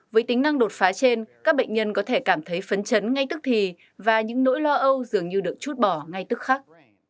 với tính năng đột phá trên các bệnh nhân có thể cảm thấy phấn chấn ngay tức thì và những nỗi lo âu dường như được chút bỏ ngay tức khắc